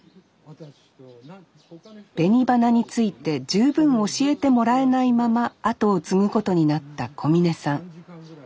紅花について十分教えてもらえないまま後を継ぐことになった小峯さん。